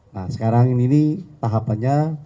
nah sekarang ini tahapannya